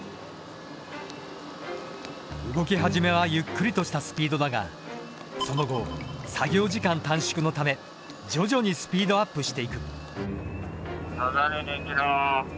動き始めはゆっくりとしたスピードだがその後作業時間短縮のため徐々にスピードアップしていく。